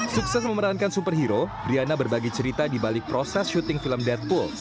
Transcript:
sukses memerankan superhero briana berbagi cerita di balik proses syuting film deadpool